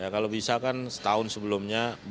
kalau bisa kan setahun sebelumnya bahkan kalau amerika